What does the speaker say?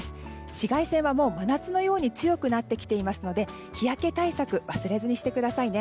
紫外線は、真夏のように強くなってきていますので日焼け対策忘れずにしてくださいね。